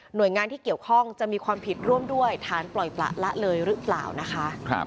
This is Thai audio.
โดยงานที่เกี่ยวข้องจะมีความผิดร่วมด้วยฐานปล่อยประละเลยหรือเปล่านะคะ